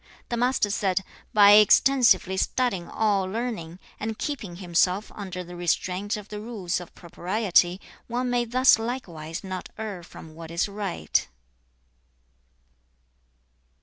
The Master said, 'By extensively studying all learning, and keeping himself under the restraint of the rules of propriety, one may thus likewise not err from what is right.'